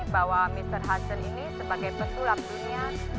bahwa mr hasan ini sebagai pesulap dunia